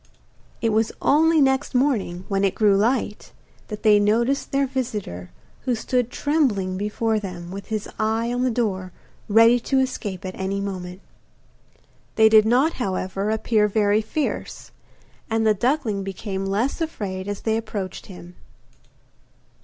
It was only next morning, when it grew light, that they noticed their visitor, who stood trembling before them, with his eye on the door ready to escape at any moment. They did not, however, appear very fierce, and the duckling became less afraid as they approached him.